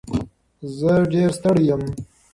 زه ډېر ستړی یم.